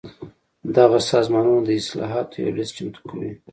دغه سازمانونه د اصلاحاتو یو لېست چمتو کوي.